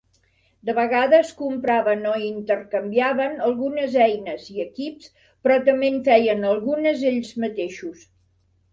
De vegades compraven o intercanviaven algunes eines i equips, però també en feien algunes ells mateixos.